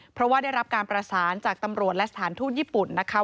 เพราะว่าได้รับการประสานจากตำรวจและสถานทูตญี่ปุ่นนะคะ